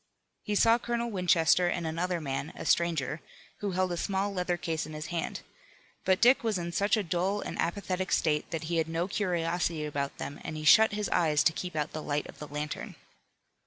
He saw Colonel Winchester and another man, a stranger, who held a small leather case in his hand. But Dick was in such a dull and apathetic state that he had no curiosity about them and he shut his eyes to keep out the light of the lantern.